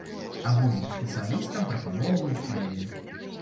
Абодвум спецыялістам прапаноўваюць прэмію.